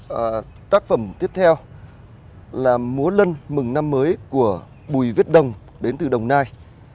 và tác phẩm tiếp theo là múa lân mừng năm mới của bùi viết đông đến từ đồng nai